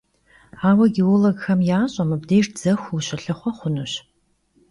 Aue gêologxem yaş'e: mıbdêjj dzexu vuşılhıxhue xhunuş.